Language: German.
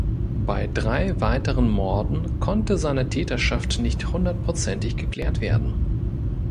Bei drei weiteren Morden konnte seine Täterschaft nicht hundertprozentig geklärt werden.